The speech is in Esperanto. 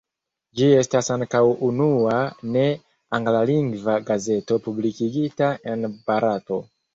Ĝi estas ankaŭ unua ne anglalingva gazeto publikigita en Barato.